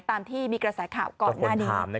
ตามที่มีกระแสข่าวก่อนหน้านี้